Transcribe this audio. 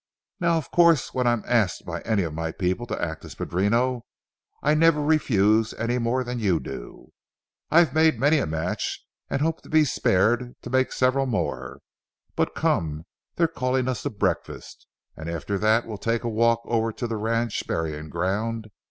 Now, of course, when I'm asked by any of my people to act as padrino, I never refuse any more than you do. I've made many a match and hope to be spared to make several more. But come; they're calling us to breakfast, and after that we'll take a walk over to the ranch burying ground.